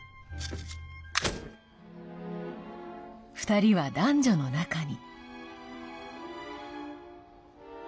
２人は男女の仲に。